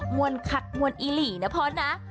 มวลคักมวลอีหลีนะพ่อนะ